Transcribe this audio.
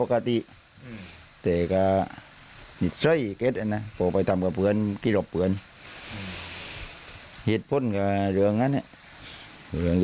แค่ผิดกฎหมายพร้อมเรียนมอบ